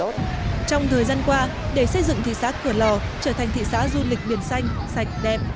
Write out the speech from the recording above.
trong thời gian qua để xây dựng thị xã cửa lò trở thành thị xã du lịch biển xanh sạch đẹp